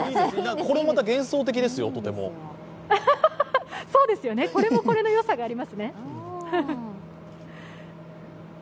これもまた幻想的ですよ、とてもこれも、これでよさがありますね。